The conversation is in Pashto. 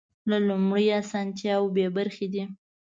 له لومړیو اسانتیاوو بې برخې دي.